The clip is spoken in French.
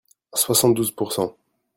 Soixante douze pour cent.